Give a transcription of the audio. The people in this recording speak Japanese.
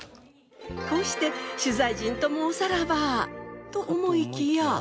こうして取材陣ともおさらばと思いきや。